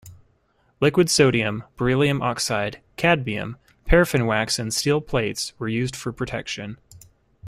Liquid sodium, beryllium oxide, cadmium, paraffin wax and steel plates were used for protection.